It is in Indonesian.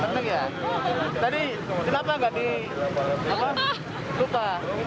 lupa lupa lupa lupa